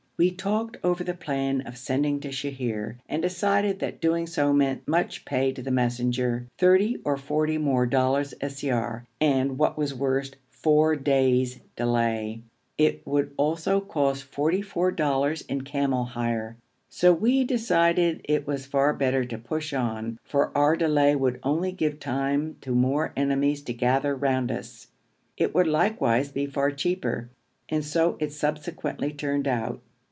We talked over the plan of sending to Sheher, and decided that doing so meant much pay to the messenger, thirty or forty more dollars siyar, and, what was worst, four days' delay; it would also cost forty four dollars in camel hire; so we decided that it was far better to push on, for our delay would only give time to more enemies to gather round us. It would likewise be far cheaper, and so it subsequently turned out.